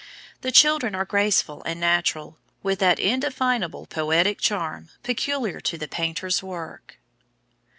The children are graceful and natural, with that indefinable poetic charm peculiar to the painter's work.